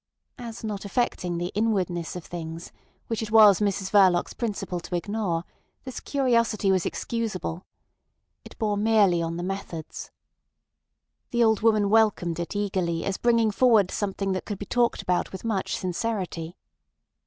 As not affecting the inwardness of things, which it was Mrs Verloc's principle to ignore, this curiosity was excusable. It bore merely on the methods. The old woman welcomed it eagerly as bringing forward something that could be talked about with much sincerity.